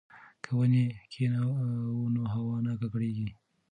که ونې کښېنوو نو هوا نه ککړیږي.